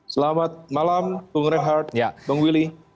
selamat malam bung rehat bang willy